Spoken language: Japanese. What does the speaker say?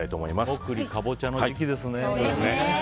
芋栗カボチャの時期ですね。